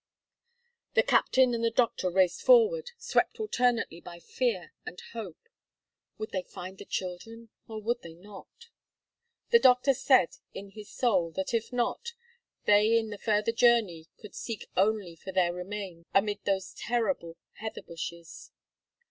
The captain and the doctor raced forward, swept alternately by fear and hope. Would they find the children or would they not? The doctor said in his soul that, if not, they in the further journey could seek only for their remains amid those terrible heather bushes.